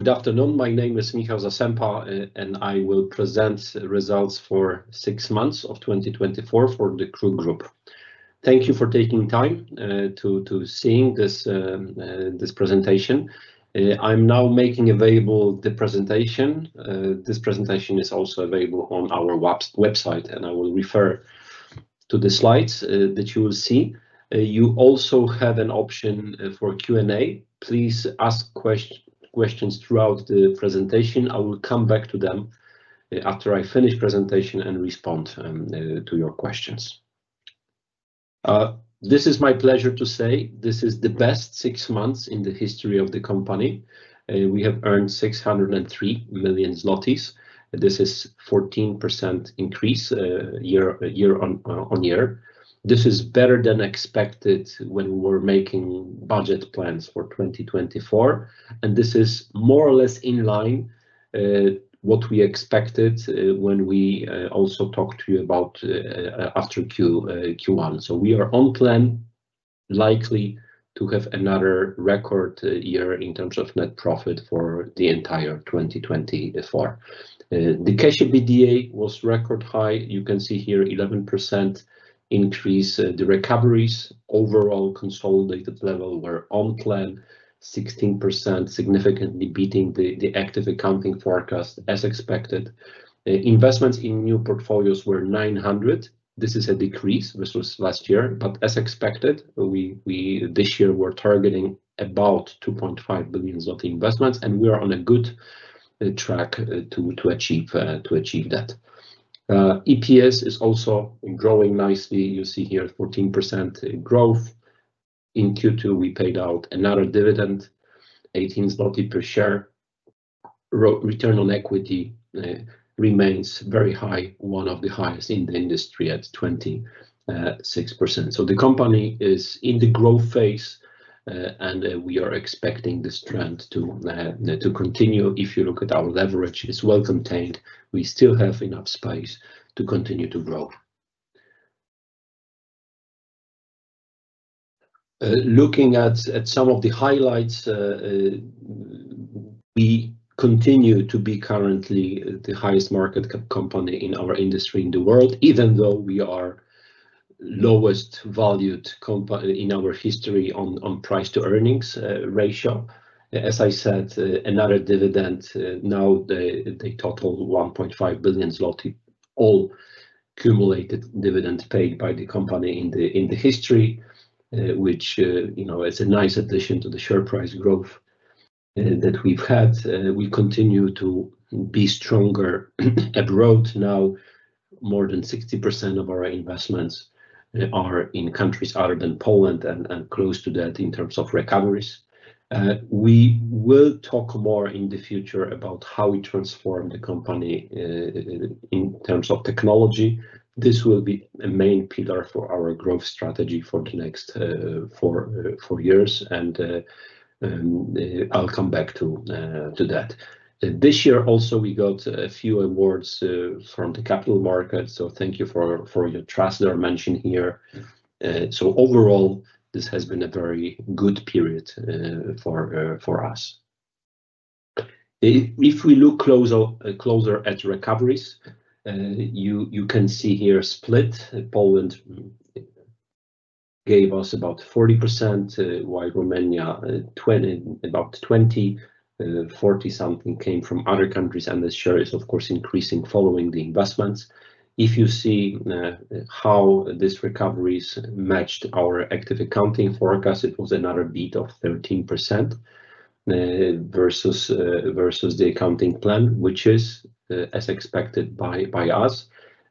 Good afternoon, my name is Michał Zasępa, and I will present results for six months of 2024 for the KRUK Group. Thank you for taking time to see this presentation. I'm now making available the presentation. This presentation is also available on our website, and I will refer to the slides that you will see. You also have an option for Q&A. Please ask questions throughout the presentation. I will come back to them after I finish presentation and respond to your questions. This is my pleasure to say, this is the best six months in the history of the company. We have earned 603 million zlotys. This is 14% increase year on year. This is better than expected when we were making budget plans for 2024, and this is more or less in line, what we expected, when we also talked to you about, after Q1. So we are on plan, likely to have another record year in terms of net profit for the entire 2024. The Cash EBITDA was record high. You can see here 11% increase. The recoveries overall consolidated level were on plan, 16%, significantly beating the Active Accounting Forecast as expected. Investments in new portfolios were 900. This is a decrease versus last year, but as expected, we this year were targeting about 2.5 billion zloty investments, and we are on a good track to achieve that. EPS is also growing nicely. You see here 14% growth. In Q2, we paid out another dividend, 18 zloty per share. Return on equity remains very high, one of the highest in the industry at 26%. So the company is in the growth phase, and we are expecting this trend to continue. If you look at our leverage, it's well contained. We still have enough space to continue to grow. Looking at some of the highlights, we continue to be currently the highest market cap company in our industry in the world, even though we are lowest valued company in our history on price-to-earnings ratio. As I said, another dividend. Now they total 1.5 billion zloty, all accumulated dividends paid by the company in the history, which, you know, is a nice addition to the share price growth that we've had. We continue to be stronger abroad. Now, more than 60% of our investments are in countries other than Poland and close to that in terms of recoveries. We will talk more in the future about how we transform the company in terms of technology. This will be a main pillar for our growth strategy for the next four years, and I'll come back to that. This year, also, we got a few awards from the capital market, so thank you for your trust. They are mentioned here. So overall, this has been a very good period for us. If we look closer at recoveries, you can see here a split. Poland gave us about 40%, while Romania about 20%, 40-something came from other countries, and this share is, of course, increasing following the investments. If you see how these recoveries matched our Active Accounting Forecast, it was another beat of 13% versus the accounting plan, which is as expected by us.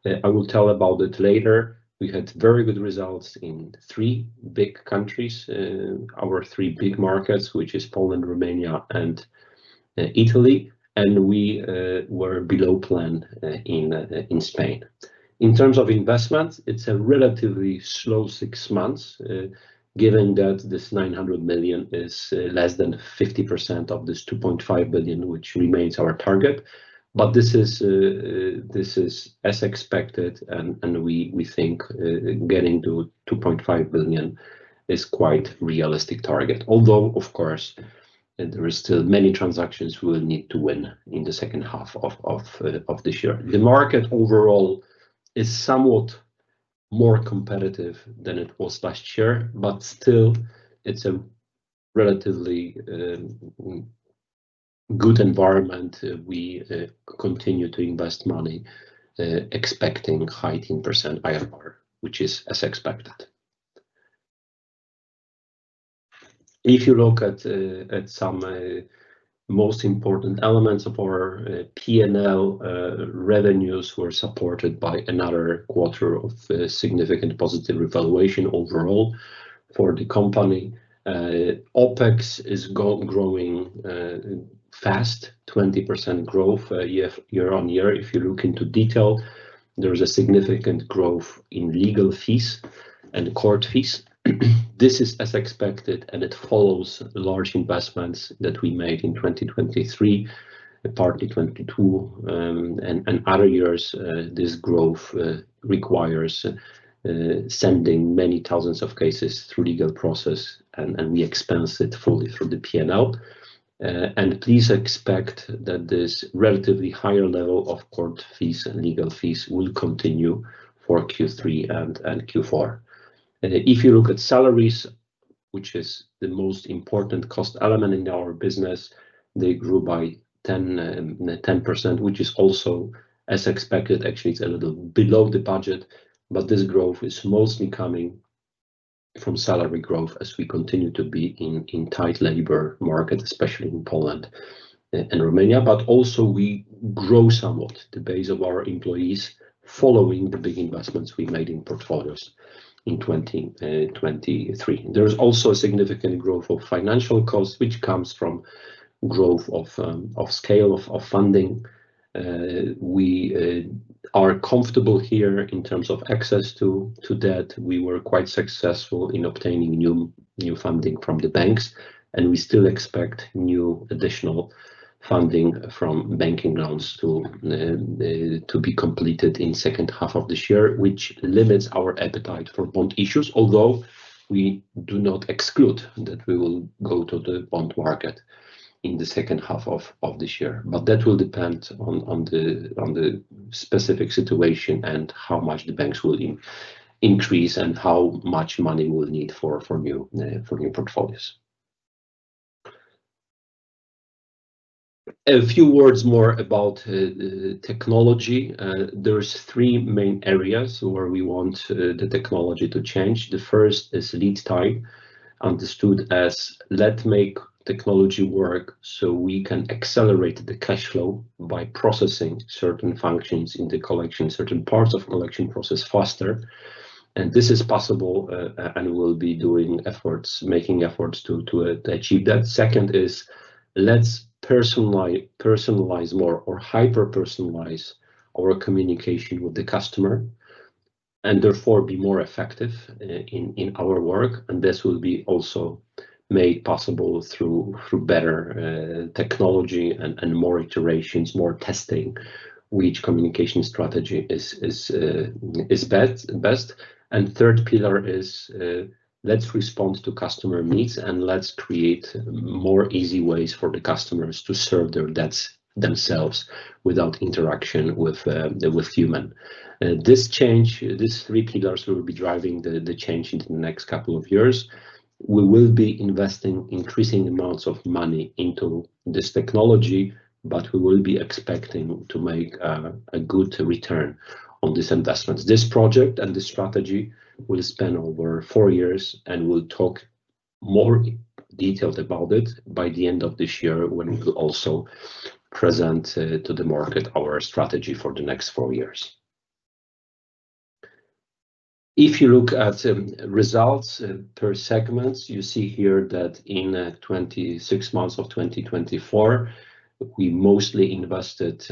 I will tell about it later. We had very good results in three big countries, our three big markets, which is Poland, Romania and Italy, and we were below plan in Spain. In terms of investment, it's a relatively slow six months, given that this 900 million is less than 50% of this 2.5 billion, which remains our target. This is as expected, and we think getting to 2.5 billion is quite realistic target. Although, of course, there are still many transactions we'll need to win in the second half of this year. The market overall is somewhat more competitive than it was last year, but still, it's a relatively good environment. We continue to invest money, expecting high-teens % IRR, which is as expected. If you look at some of the most important elements of our P&L, revenues were supported by another quarter of significant positive revaluation overall for the company. OpEx is growing fast, 20% growth year on year. If you look into detail, there is a significant growth in legal fees and court fees. This is as expected, and it follows large investments that we made in 2023, partly 2022, and other years. This growth requires sending many thousands of cases through legal process, and we expense it fully through the P&L. And please expect that this relatively higher level of court fees and legal fees will continue for Q3 and Q4. If you look at salaries, which is the most important cost element in our business, they grew by 10%, which is also as expected. Actually, it's a little below the budget, but this growth is mostly coming from salary growth as we continue to be in a tight labor market, especially in Poland and Romania. But also we grow somewhat the base of our employees following the big investments we made in portfolios in 2023. There is also a significant growth of financial costs, which comes from growth of scale of funding. We are comfortable here in terms of access to debt. We were quite successful in obtaining new funding from the banks, and we still expect new additional funding from banking loans to be completed in second half of this year, which limits our appetite for bond issues. Although, we do not exclude that we will go to the bond market in the second half of this year. But that will depend on the specific situation and how much the banks will increase, and how much money we'll need for new portfolios. A few words more about technology. There's three main areas where we want the technology to change. The first is lead time, understood as let's make technology work, so we can accelerate the cash flow by processing certain functions in the collection, certain parts of collection process faster. And this is possible, and we'll be doing efforts, making efforts to achieve that. Second is let's personalize more or hyper-personalize our communication with the customer, and therefore, be more effective in our work, and this will be also made possible through better technology and more iterations, more testing, which communication strategy is best. Third pillar is let's respond to customer needs, and let's create more easy ways for the customers to serve their debts themselves without interaction with human. This change, these three pillars will be driving the change into the next couple of years. We will be investing increasing amounts of money into this technology, but we will be expecting to make a good return on these investments. This project and this strategy will span over four years, and we'll talk more in details about it by the end of this year, when we will also present to the market our strategy for the next four years. If you look at results per segments, you see here that in twenty-six months of 2024, we mostly invested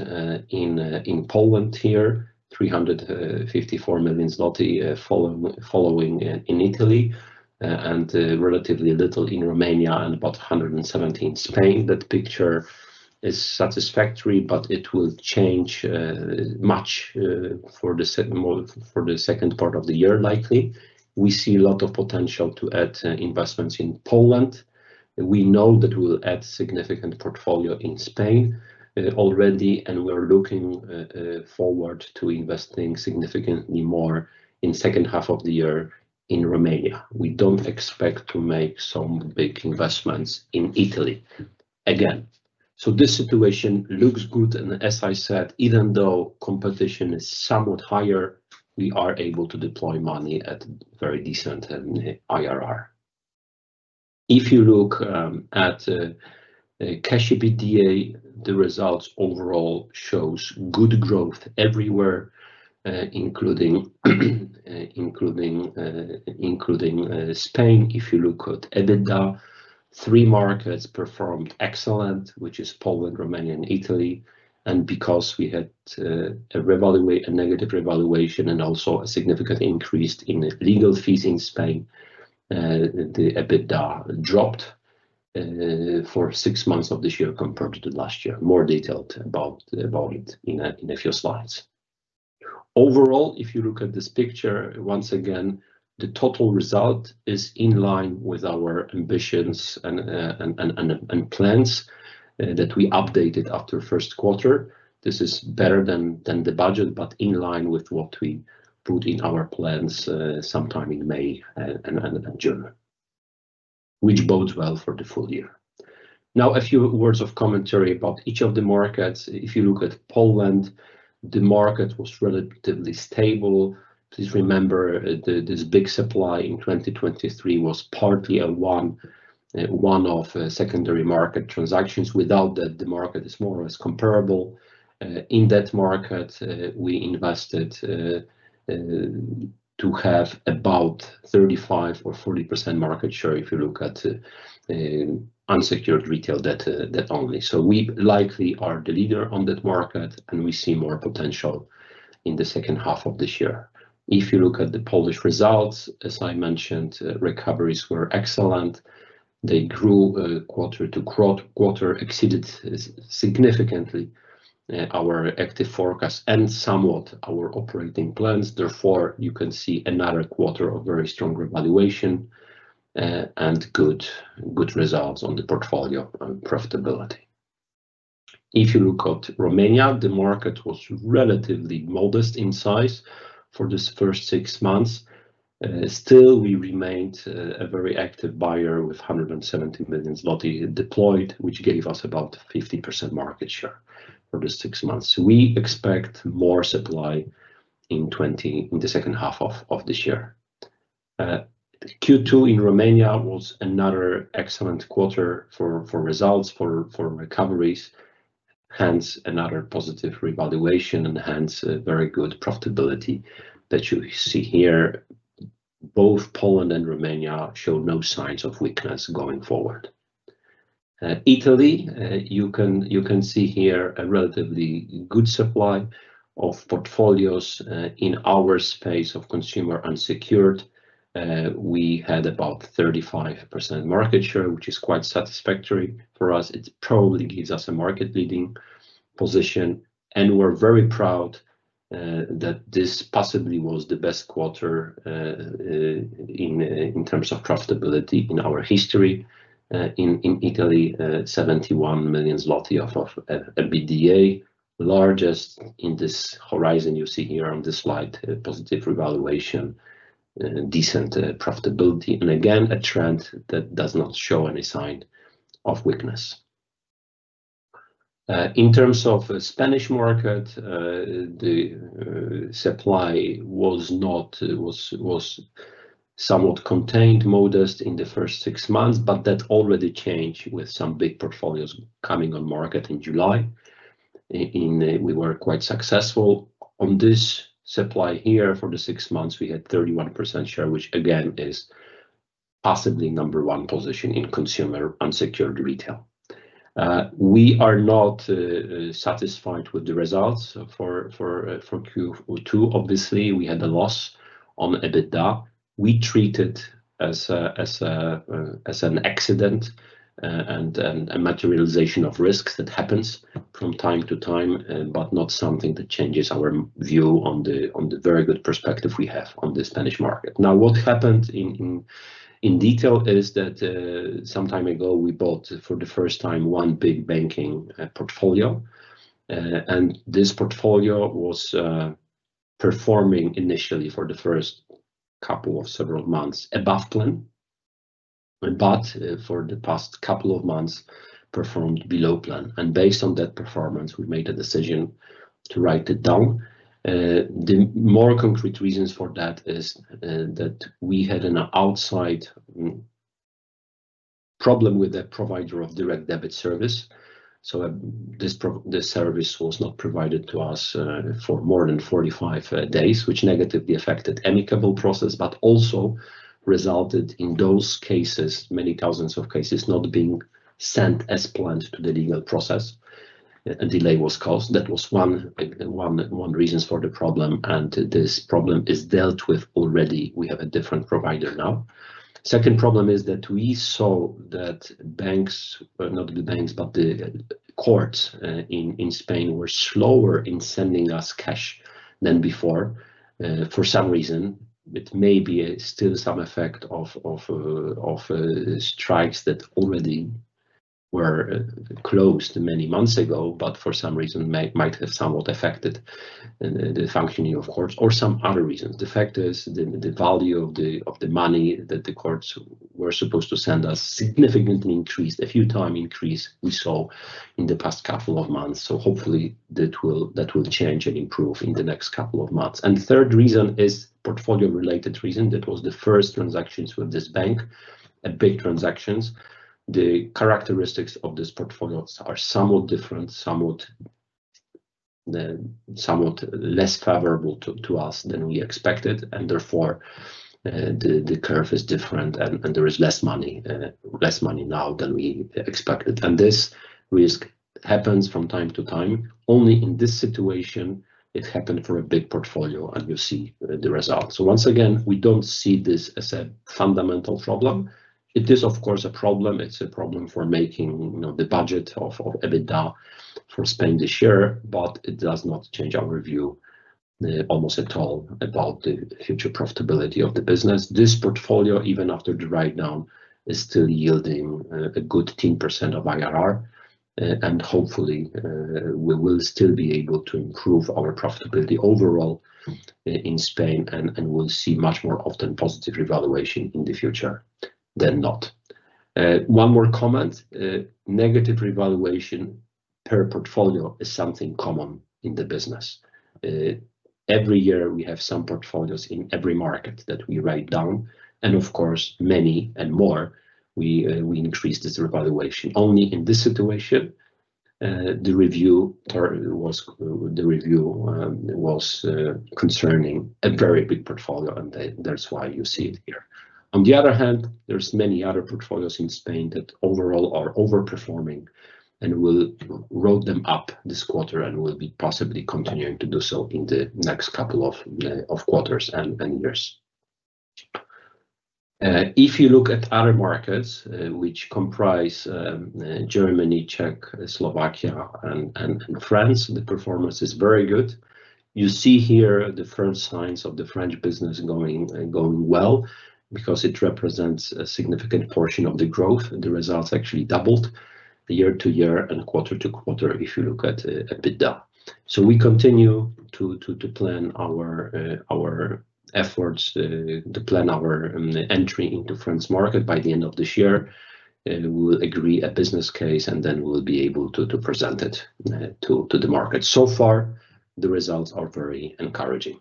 in Poland here, 354 million zloty, following in Italy, and relatively little in Romania, and about 117 million PLN in Spain. That picture is satisfactory, but it will change much for the second part of the year, likely. We see a lot of potential to add investments in Poland. We know that we'll add significant portfolio in Spain, already, and we're looking forward to investing significantly more in second half of the year in Romania. We don't expect to make some big investments in Italy again. So this situation looks good, and as I said, even though competition is somewhat higher, we are able to deploy money at very decent IRR. If you look at cash EBITDA, the results overall shows good growth everywhere, including Spain. If you look at EBITDA, three markets performed excellent, which is Poland, Romania, and Italy. And because we had a revaluation, a negative revaluation and also a significant increase in legal fees in Spain, the EBITDA dropped for six months of this year compared to last year. More detailed about it in a few slides. Overall, if you look at this picture, once again, the total result is in line with our ambitions and plans that we updated after first quarter. This is better than the budget, but in line with what we put in our plans sometime in May and June, which bodes well for the full year. Now, a few words of commentary about each of the markets. If you look at Poland, the market was relatively stable. Please remember, this big supply in 2023 was partly one of secondary market transactions. Without that, the market is more or less comparable. In that market, we invested to have about 35% or 40% market share, if you look at unsecured retail debt, debt only. So we likely are the leader on that market, and we see more potential in the second half of this year. If you look at the Polish results, as I mentioned, recoveries were excellent. They grew quarter to quarter, exceeded significantly our active forecast and somewhat our operating plans. Therefore, you can see another quarter of very strong revaluation and good, good results on the portfolio profitability. If you look at Romania, the market was relatively modest in size for this first six months. Still, we remained a very active buyer, with 170 million zloty deployed, which gave us about 50% market share for the six months. We expect more supply in the second half of this year. Q2 in Romania was another excellent quarter for results, for recoveries, hence another positive revaluation, and hence a very good profitability that you see here. Both Poland and Romania showed no signs of weakness going forward. Italy, you can see here a relatively good supply of portfolios, in our space of consumer unsecured. We had about 35% market share, which is quite satisfactory for us. It probably gives us a market-leading position, and we're very proud that this possibly was the best quarter in terms of profitability in our history. In Italy, 71 million zloty of EBITDA, largest in this horizon you see here on this slide, a positive revaluation, decent profitability, and again, a trend that does not show any sign of weakness. In terms of Spanish market, the supply was somewhat contained, modest in the first six months, but that already changed with some big portfolios coming on market in July. We were quite successful on this supply here. For the six months, we had 31% share, which again is possibly number one position in consumer unsecured retail. We are not satisfied with the results for Q2. Obviously, we had a loss on EBITDA. We treat it as an accident, and a materialization of risks that happens from time to time, but not something that changes our view on the very good perspective we have on the Spanish market. Now, what happened in detail is that some time ago, we bought, for the first time, one big banking portfolio, and this portfolio was performing initially for the first couple of several months above plan, but for the past couple of months, performed below plan, and based on that performance, we made a decision to write it down. The more concrete reasons for that is that we had an outside problem with the provider of direct debit service, so this service was not provided to us for more than 45 days, which negatively affected amicable process, but also resulted in those cases, many thousands of cases, not being sent as planned to the legal process. A delay was caused. That was one reasons for the problem, and this problem is dealt with already. We have a different provider now. The second problem is that we saw that banks, not the banks, but the courts in Spain were slower in sending us cash than before, for some reason. It may be still some effect of strikes that already were closed many months ago, but for some reason, might have somewhat affected the functioning of courts or some other reasons. The fact is, the value of the money that the courts were supposed to send us significantly increased. A few times increase we saw in the past couple of months, so hopefully that will change and improve in the next couple of months. The third reason is portfolio-related reason. That was the first transactions with this bank, a big transactions. The characteristics of this portfolio are somewhat different, somewhat less favorable to us than we expected, and therefore the curve is different, and there is less money now than we expected. This risk happens from time to time. Only in this situation, it happened for a big portfolio, and you see the results. Once again, we don't see this as a fundamental problem. It is, of course, a problem. It's a problem for making, you know, the budget of EBITDA for Spain this year, but it does not change our view almost at all about the future profitability of the business. This portfolio, even after the write-down, is still yielding a good 10% of IRR, and hopefully we will still be able to improve our profitability overall in Spain, and we'll see much more often positive revaluation in the future than not. One more comment. Negative revaluation per portfolio is something common in the business. Every year we have some portfolios in every market that we write down, and of course, many more, we increase this revaluation. Only in this situation, the revaluation was concerning a very big portfolio, and that's why you see it here. On the other hand, there's many other portfolios in Spain that overall are overperforming, and we'll write them up this quarter and will be possibly continuing to do so in the next couple of quarters and years. If you look at other markets, which comprise Germany, Czech, Slovakia, and France, the performance is very good. You see here the first signs of the French business going well, because it represents a significant portion of the growth. The results actually doubled year to year and quarter to quarter, if you look at EBITDA. So we continue to plan our efforts to plan our entry into France market by the end of this year, and we'll agree a business case, and then we'll be able to present it to the market. So far, the results are very encouraging.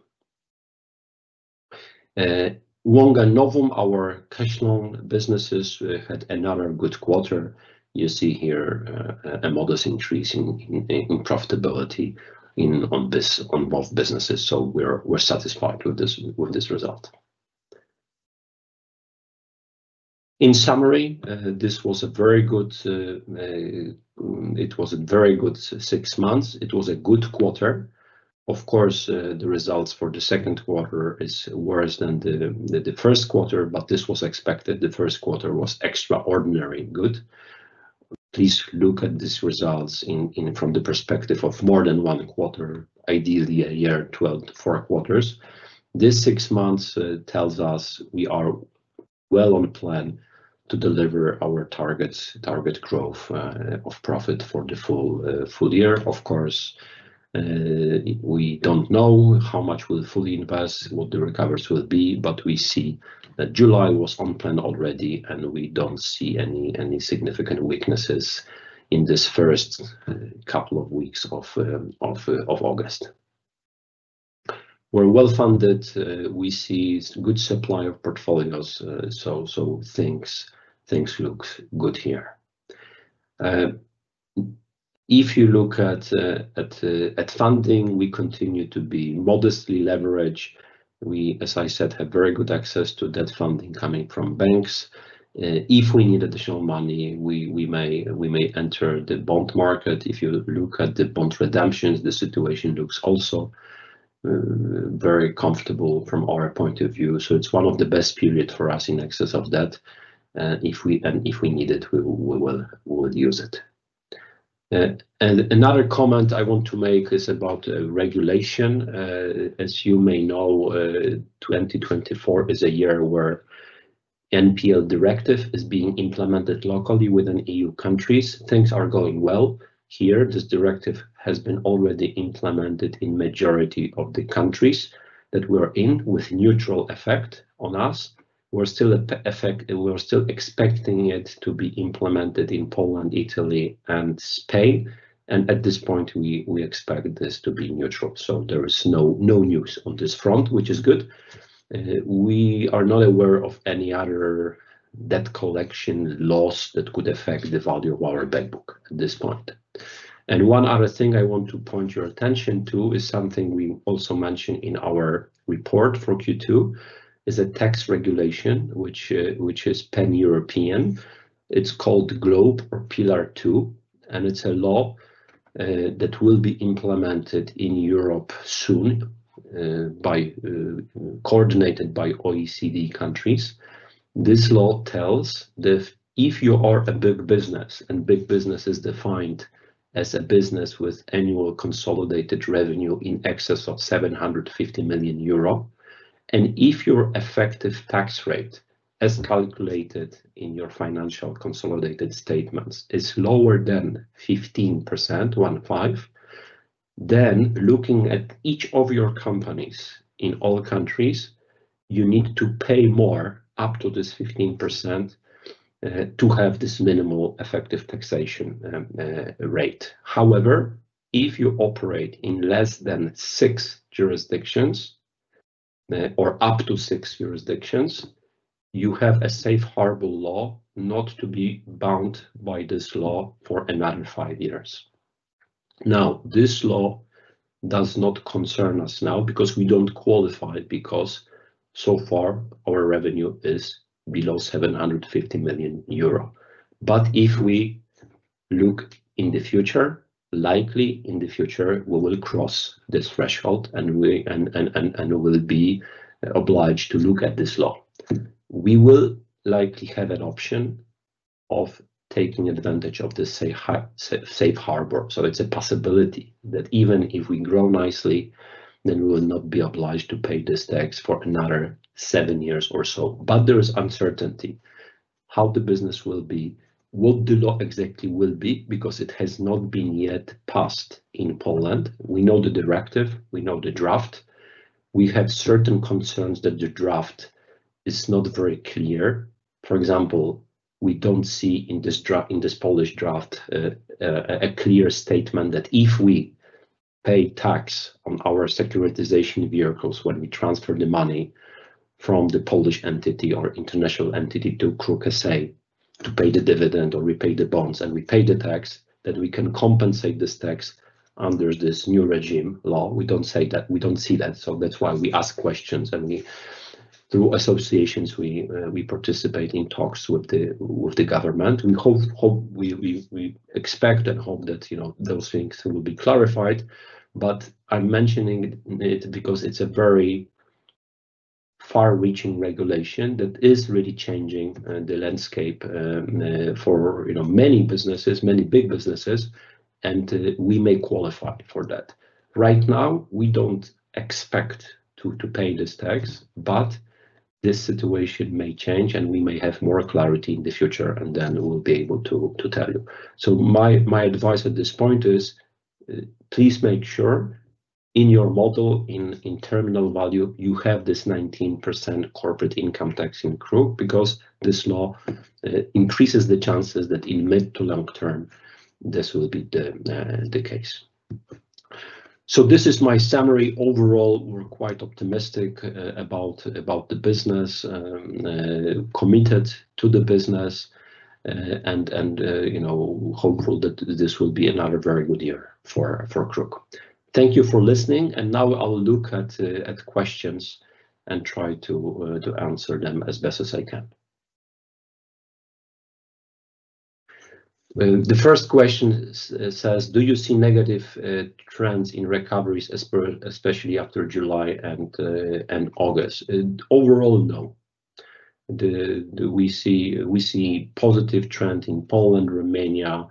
Wonga and Novum, our cash loan businesses, had another good quarter. You see here a modest increase in profitability in both businesses, so we're satisfied with this result. In summary, it was a very good six months. It was a good quarter. Of course, the results for the second quarter is worse than the first quarter, but this was expected. The first quarter was extraordinary good. Please look at these results from the perspective of more than one quarter, ideally a year, 12-4 quarters. This six months tells us we are well on plan to deliver our targets, target growth of profit for the full year. Of course, we don't know how much we'll fully invest, what the recoveries will be, but we see that July was on plan already, and we don't see any significant weaknesses in this first couple of weeks of August. We're well-funded. We see good supply of portfolios, so things look good here. If you look at funding, we continue to be modestly leveraged. We, as I said, have very good access to debt funding coming from banks. If we need additional money, we may enter the bond market. If you look at the bond redemptions, the situation looks also very comfortable from our point of view, so it's one of the best period for us in excess of debt, if we need it, we will use it. And another comment I want to make is about regulation. As you may know, twenty twenty-four is a year where NPL Directive is being implemented locally within EU countries. Things are going well. Here, this directive has been already implemented in majority of the countries that we're in, with neutral effect on us. We're still at the effect, and we're still expecting it to be implemented in Poland, Italy, and Spain, and at this point, we expect this to be neutral. So there is no news on this front, which is good. We are not aware of any other debt collection laws that could affect the value of our bank book at this point. And one other thing I want to point your attention to is something we also mentioned in our report for Q2, is a tax regulation, which is pan-European. It's called GloBE or Pillar Two, and it's a law that will be implemented in Europe soon, coordinated by OECD countries. This law tells that if you are a big business, and big business is defined as a business with annual consolidated revenue in excess of 750 million euro, and if your effective tax rate, as calculated in your financial consolidated statements, is lower than 15%, then looking at each of your companies in all countries, you need to pay more up to this 15% to have this minimal effective taxation rate. However, if you operate in less than six jurisdictions or up to six jurisdictions, you have a safe harbor law not to be bound by this law for another five years. Now, this law does not concern us now because we don't qualify, because so far our revenue is below 750 million euro. But if we look in the future, likely in the future, we will cross this threshold, and we will be obliged to look at this law. We will likely have an option of taking advantage of this, say, safe harbor. So it's a possibility that even if we grow nicely, then we will not be obliged to pay this tax for another seven years or so. But there is uncertainty how the business will be, what the law exactly will be, because it has not been yet passed in Poland. We know the directive, we know the draft. We have certain concerns that the draft is not very clear. For example, we don't see in this Polish draft a clear statement that if we pay tax on our securitization vehicles, when we transfer the money from the Polish entity or international entity to KRUK S.A. to pay the dividend or repay the bonds, and we pay the tax, that we can compensate this tax under this new regime law. We don't say that. We don't see that, so that's why we ask questions, and we, through associations, we participate in talks with the government. We hope we expect and hope that, you know, those things will be clarified, but I'm mentioning it, because it's a very far-reaching regulation that is really changing the landscape for, you know, many businesses, many big businesses, and we may qualify for that. Right now, we don't expect to pay this tax, but this situation may change, and we may have more clarity in the future, and then we'll be able to tell you, so my advice at this point is, please make sure in your model, in terminal value, you have this 19% corporate income tax in KRUK, because this law increases the chances that in mid to long term, this will be the case, so this is my summary. Overall, we're quite optimistic about the business, committed to the business, and you know, hopeful that this will be another very good year for KRUK. Thank you for listening, and now I will look at questions and try to answer them as best as I can. The first question says: Do you see negative trends in recoveries especially after July and August? Overall, no. We see positive trend in Poland, Romania,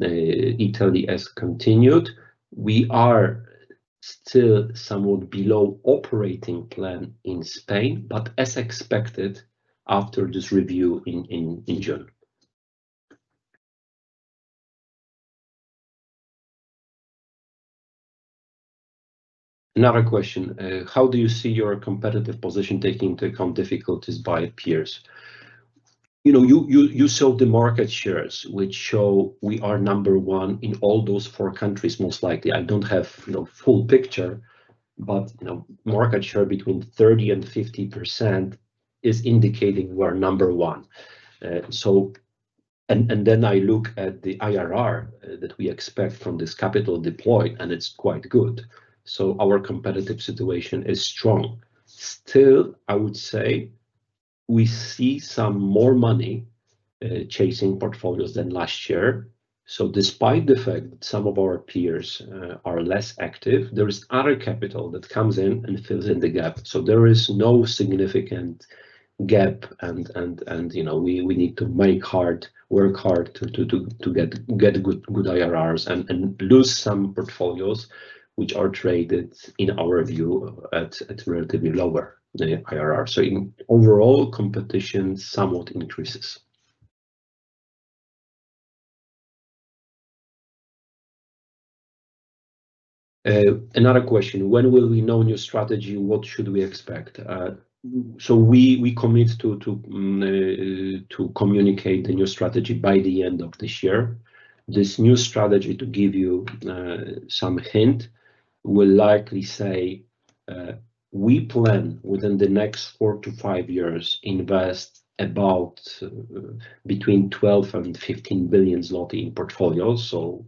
Italy has continued. We are still somewhat below operating plan in Spain, but as expected, after this review in June. Another question: How do you see your competitive position taking into account difficulties by peers? You know, you saw the market shares, which show we are number one in all those four countries, most likely. I don't have, you know, full picture, but, you know, market share between 30% and 50% is indicating we're number one. So, and then I look at the IRR that we expect from this capital deployed, and it's quite good. So our competitive situation is strong. Still, I would say we see some more money chasing portfolios than last year. Despite the fact that some of our peers are less active, there is other capital that comes in and fills in the gap, so there is no significant gap, you know, we need to work hard to get good IRRs and lose some portfolios, which are traded, in our view, at relatively lower the IRR. Overall, competition somewhat increases. Another question: When will we know your strategy, what should we expect? So we commit to communicate the new strategy by the end of this year. This new strategy, to give you some hint, will likely say we plan, within the next 4 to 5 years, to invest about between 12 billion and 15 billion zloty in portfolios, so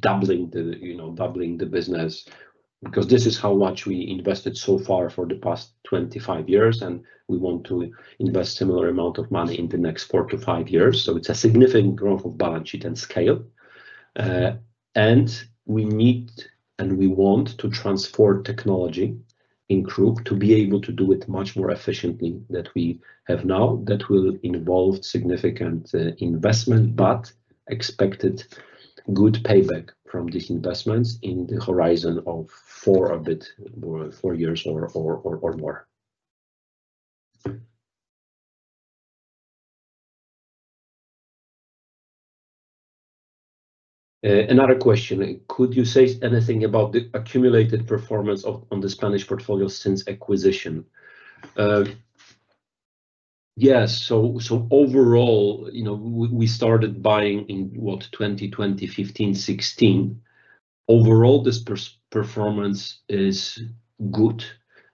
doubling the, you know, doubling the business, because this is how much we invested so far for the past 25 years, and we want to invest similar amount of money in the next 4 to 5 years. So it's a significant growth of balance sheet and scale. And we need, and we want to transform technology in KRUK to be able to do it much more efficiently than we have now. That will involve significant investment, but expected good payback from these investments in the horizon of 4, a bit more than 4 years or more. Another question: Could you say anythi ng about the accumulated performance of the Spanish portfolio since acquisition? Yes, so overall, you know, we started buying in 2015, 2016. Overall, this performance is good.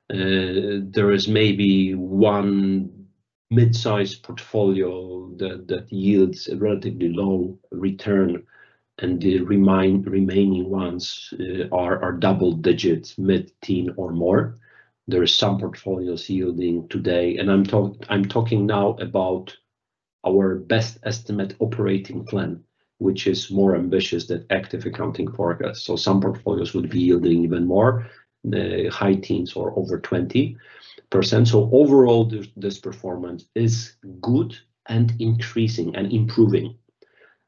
There is maybe one mid-size portfolio that yields a relatively low return, and the remaining ones are double digits, mid-teens or more. There are some portfolios yielding today, and I'm talking now about our best estimate operating plan, which is more ambitious than Active Accounting Forecast. So some portfolios would be yielding even more, the high teens or over 20%. So overall, this performance is good and increasing and improving,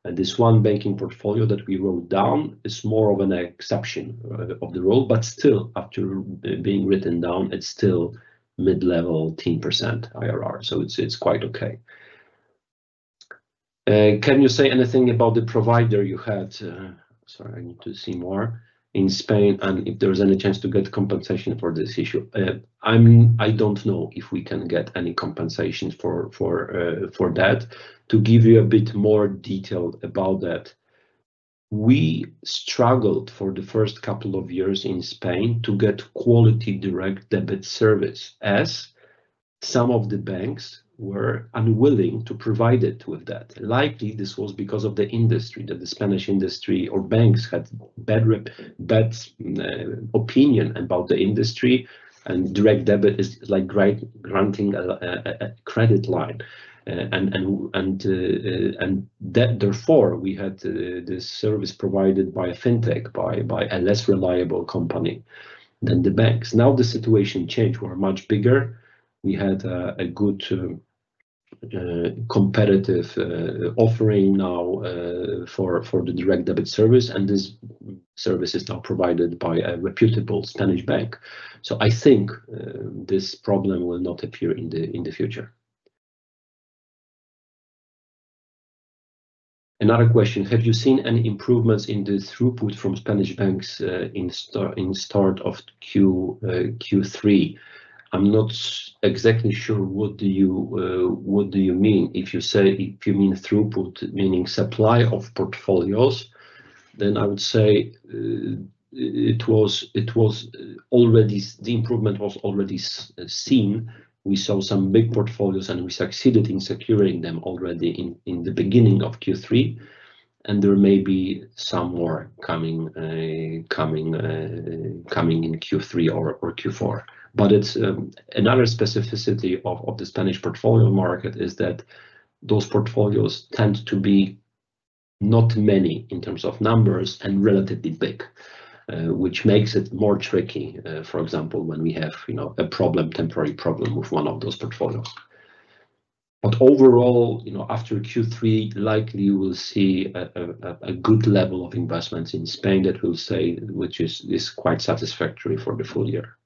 and this one banking portfolio that we wrote down is more of an exception of the rule, but still, after being written down, it's still mid-teens% IRR. So it's quite okay. Can you say anything about the provider you had... Sorry, I need to see more, in Spain, and if there is any chance to get compensation for this issue? I don't know if we can get any compensation for that. To give you a bit more detail about that, we struggled for the first couple of years in Spain to get quality direct debit service, as some of the banks were unwilling to provide it with that. Likely, this was because of the industry, that the Spanish industry or banks had bad rep, bad opinion about the industry, and direct debit is like granting a credit line. And therefore, we had the service provided by a fintech, by a less reliable company than the banks. Now, the situation changed. We are much bigger. We had a good competitive offering now for the direct debit service, and this service is now provided by a reputable Spanish bank. So I think this problem will not appear in the future. Another question: Have you seen any improvements in the throughput from Spanish banks in the start of Q3? I'm not exactly sure what you mean. If you say, if you mean throughput, meaning supply of portfolios, then I would say it was already seen. We saw some big portfolios, and we succeeded in securing them already in the beginning of Q3, and there may be some more coming in Q3 or Q4. But it's another specificity of the Spanish portfolio market, is that those portfolios tend to be not many in terms of numbers and relatively big, which makes it more tricky, for example, when we have, you know, a problem, temporary problem with one of those portfolios. But overall, you know, after Q3, likely we'll see a good level of investments in Spain that we'll say, which is quite satisfactory for the full year.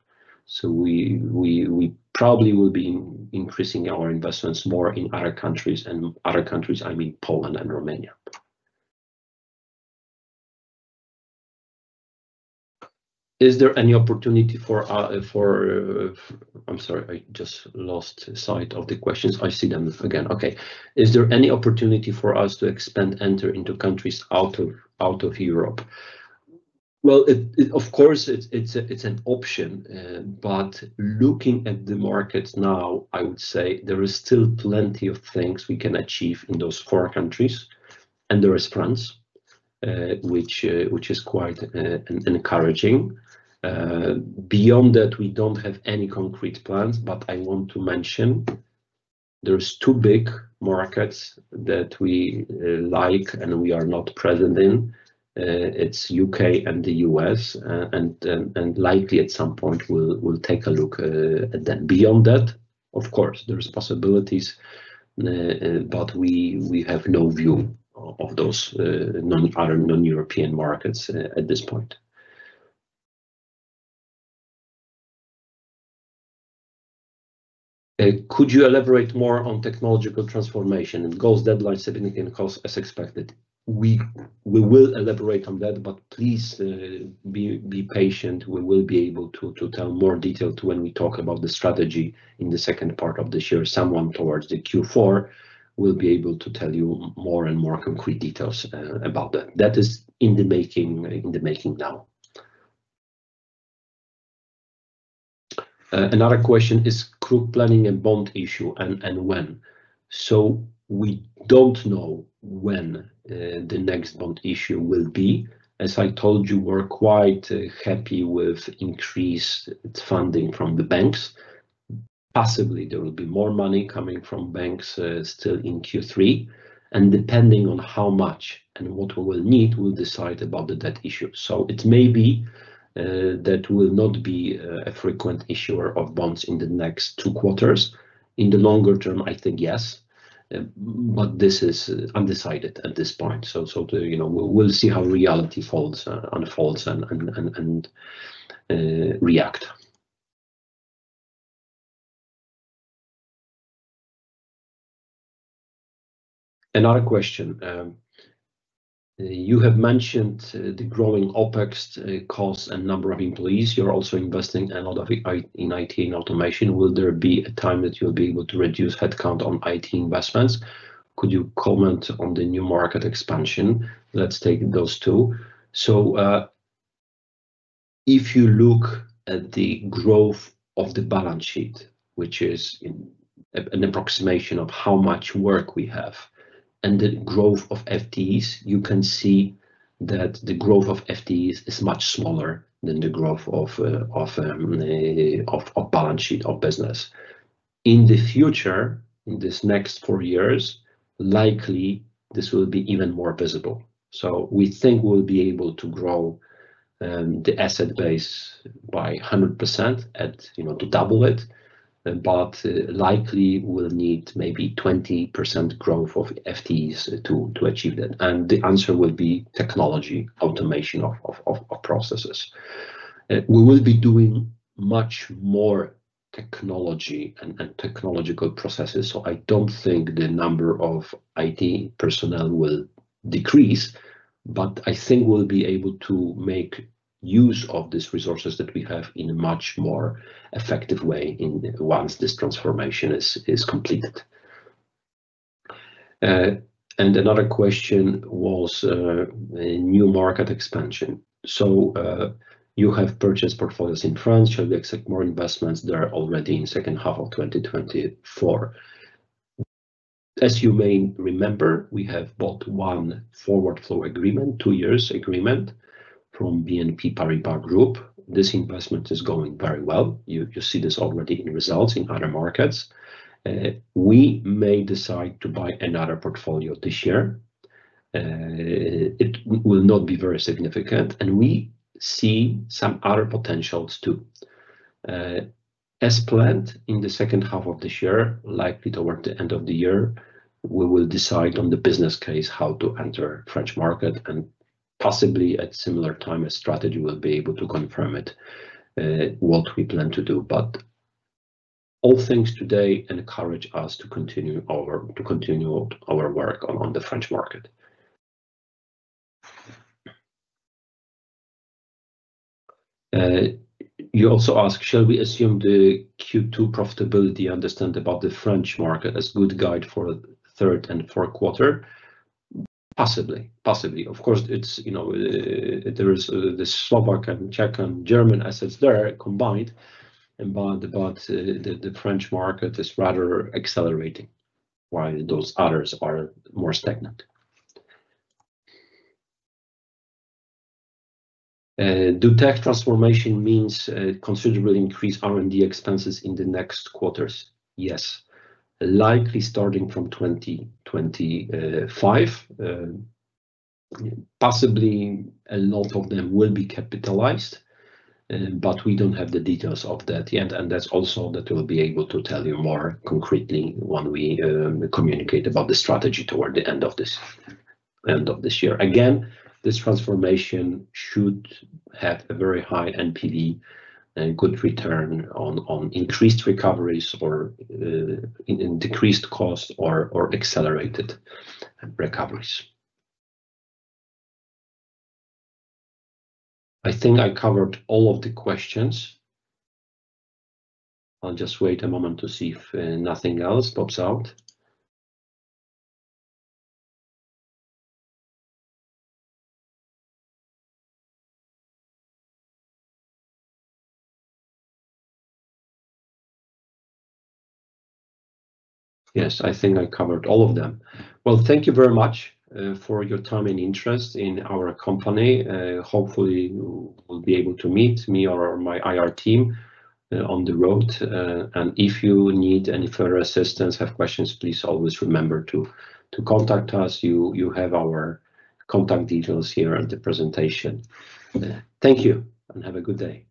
So we probably will be increasing our investments more in other countries, and other countries, I mean, Poland and Romania. Is there any opportunity for... I'm sorry, I just lost sight of the questions. I see them again. Okay. Is there any opportunity for us to expand, enter into countries out of Europe? Of course, it's an option, but looking at the market now, I would say there is still plenty of things we can achieve in those four countries, and there is France, which is quite encouraging. Beyond that, we don't have any concrete plans, but I want to mention, there's two big markets that we like and we are not present in. It's UK and the US, and likely at some point we'll take a look at them. Beyond that, of course, there's possibilities, but we have no view of those other non-European markets at this point. Could you elaborate more on technological transformation and goals, deadlines, stability, and costs as expected? We will elaborate on that, but please be patient. We will be able to tell more detail when we talk about the strategy in the second part of this year. Somewhere towards the Q4, we'll be able to tell you more and more concrete details about that. That is in the making now. Another question, is group planning a bond issue, and when? So we don't know when the next bond issue will be. As I told you, we're quite happy with increased funding from the banks. Possibly, there will be more money coming from banks still in Q3, and depending on how much and what we will need, we'll decide about the debt issue. So it may be that will not be a frequent issuer of bonds in the next two quarters. In the longer term, I think yes, but this is undecided at this point. So, you know, we'll see how reality unfolds and react. Another question, you have mentioned the growing OpEx costs, and number of employees. You're also investing a lot in IT and automation. Will there be a time that you'll be able to reduce headcount on IT investments? Could you comment on the new market expansion? Let's take those two. So, if you look at the growth of the balance sheet, which is in an approximation of how much work we have, and the growth of FTEs, you can see that the growth of FTEs is much smaller than the growth of balance sheet of business. In the future, in this next four years, likely this will be even more visible. So we think we'll be able to grow the asset base by 100% at, you know, to double it, but likely we'll need maybe 20% growth of FTEs to achieve that, and the answer will be technology, automation of processes. We will be doing much more technology and technological processes, so I don't think the number of IT personnel will decrease, but I think we'll be able to make use of these resources that we have in a much more effective way once this transformation is completed. And another question was the new market expansion. So, you have purchased portfolios in France. Should we expect more investments there already in second half of 2024? As you may remember, we have bought one forward flow agreement, two years agreement, from BNP Paribas Group. This investment is going very well. You see this already in results in other markets. We may decide to buy another portfolio this year. It will not be very significant, and we see some other potentials, too. As planned in the second half of this year, likely toward the end of the year, we will decide on the business case, how to enter French market, and possibly at similar time, a strategy will be able to confirm it, what we plan to do. But all things today encourage us to continue our work on the French market. You also ask, shall we assume the Q2 profitability, understand about the French market as good guide for third and fourth quarter? Possibly. Possibly. Of course, it's, you know, there is the Slovak and Czech and German assets there combined, and but the French market is rather accelerating, while those others are more stagnant. Do tech transformation means considerably increased R&D expenses in the next quarters? Yes. Likely starting from twenty twenty-five. Possibly a lot of them will be capitalized, but we don't have the details of that yet, and that's also that we'll be able to tell you more concretely when we communicate about the strategy toward the end of this year. Again, this transformation should have a very high NPV and good return on increased recoveries or in decreased costs or accelerated recoveries. I think I covered all of the questions. I'll just wait a moment to see if nothing else pops out. Yes, I think I covered all of them. Well, thank you very much for your time and interest in our company. Hopefully, you will be able to meet me or my IR team on the road, and if you need any further assistance, have questions, please always remember to contact us. You have our contact details here on the presentation. Thank you, and have a good day!